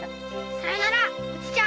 さようならおじちゃん。